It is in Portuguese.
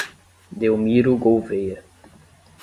Delmiro Gouveia